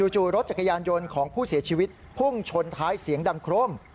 จู่รถจักรยานยนต์ของผู้เสียชีวิตพุ่งชนท้ายเสียงดังโคร่ม